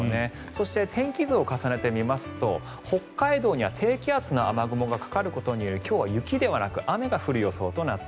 そして、天気図を重ねてみますと北海道には低気圧の雨雲がかかることで、今日は雪ではなく雨が降る予想です。